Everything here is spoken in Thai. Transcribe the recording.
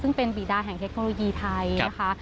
ซึ่งเป็นบีดาแห่งเทคโนโลยีไทยนะคะ